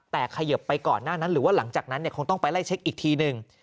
แต่เขยิบไปก่อนหน้านั้นหรือว่าหลังจากนั้นคงต้องไปไล่เช็คอีกทีหนึ่ง